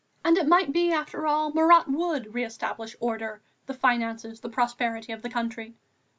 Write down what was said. And it might be, after all, Marat would re establish order, the finances, the prosperity of the country.